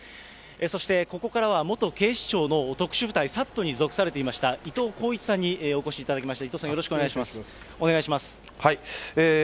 そして、ここからは元警視庁の特殊部隊、ＳＡＴに属されていました、伊藤鋼一さんにお越しいただきました。